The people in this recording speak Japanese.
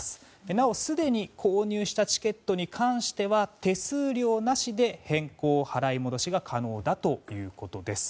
なお、すでに購入したチケットに関しては手数料なしで変更・払い戻しが可能だということです。